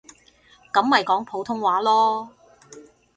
噉咪講普通話囉